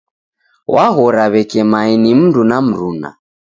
Waghora w'eke mae ni mndu na mruna.